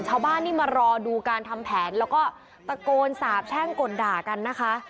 ชาวบ้านนี่มารอดูการทำแผนแล้วก็ตะโกนสาบแช่งก่นด่ากันนะคะ